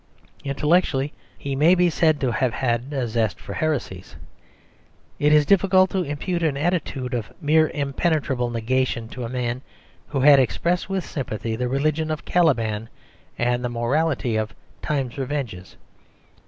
Intellectually he may be said to have had a zest for heresies. It is difficult to impute an attitude of mere impenetrable negation to a man who had expressed with sympathy the religion of "Caliban" and the morality of "Time's Revenges."